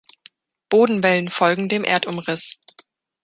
Bodenwellen folgen dem Erdumriss.